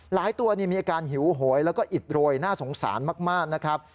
ตัวมีอาการหิวโหยแล้วก็อิดโรยน่าสงสารมากนะครับ